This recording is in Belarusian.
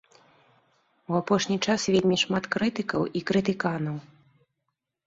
У апошні час вельмі шмат крытыкаў і крытыканаў.